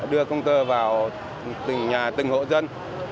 đưa công tơ vào từng nhà từng hộ dân